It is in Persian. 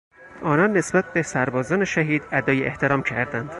آنان نسبت به سربازان شهید ادای احترام کردند.